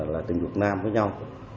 là tình dục nam với nhau